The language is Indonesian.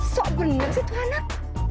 sok bener sih tuh anak